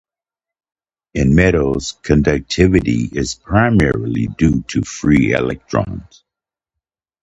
In metals conductivity is primarily due to free electrons.